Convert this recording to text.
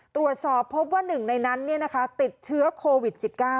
ตรวจสอบพบว่า๑ในนั้นเนี่ยนะคะติดเชื้อโควิด๑๙